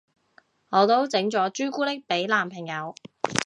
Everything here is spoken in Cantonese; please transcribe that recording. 我都整咗朱古力俾男朋友